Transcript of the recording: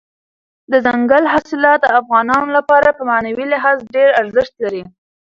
دځنګل حاصلات د افغانانو لپاره په معنوي لحاظ ډېر ارزښت لري.